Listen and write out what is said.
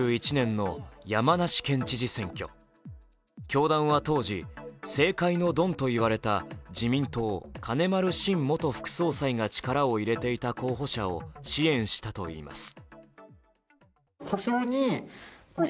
教団は当時政界のドンといわれた自民党・金丸信元副総裁が力を入れていた候補者を支援したといいます。